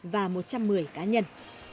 và một trăm một mươi cá nhân